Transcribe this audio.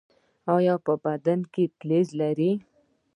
ایا په بدن کې فلز لرئ؟